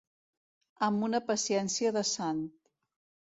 Amb una paciència de sant.